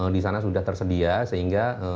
disana sudah tersedia sehingga